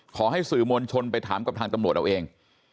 ขอให้สื่อมวลชนไปถามกับทางตำรวจเอาเอง